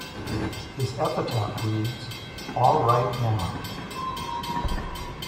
His epitaph reads "All Right Now".